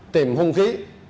tìm hung khí